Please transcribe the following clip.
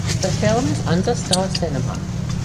The film is under Star Cinema.